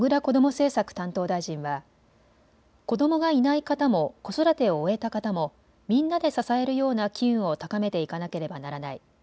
政策担当大臣は子どもがいない方も子育てを終えた方も、みんなで支えるような機運を高めていかなければならない。